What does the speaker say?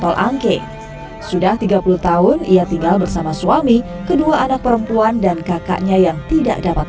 tol angke sudah tiga puluh tahun ia tinggal bersama suami kedua anak perempuan dan kakaknya yang tidak dapat